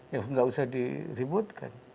ya tidak usah di ribut